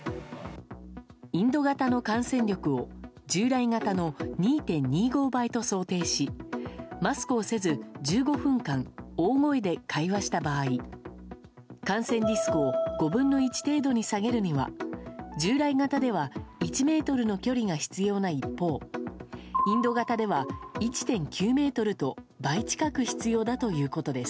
インド型の感染力を従来型の２．２５倍と想定しマスクをせず１５分間大声で会話した場合感染リスクを５分の１程度に下げるには従来型では１ｍの距離が必要な一方インド型では１．９ｍと倍近く必要だということです。